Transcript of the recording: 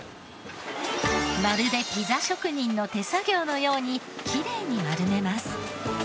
まるでピザ職人の手作業のようにきれいに丸めます。